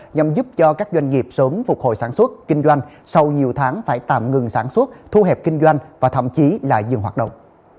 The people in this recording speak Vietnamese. nhằm giúp cho các doanh nghiệp sớm phục hồi sản xuất kinh doanh sau nhiều tháng phải tạm ngừng sản xuất thu hẹp kinh doanh và thậm chí là dừng hoạt động